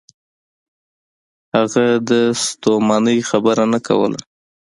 هغه د ستومنۍ خبره نه کوله.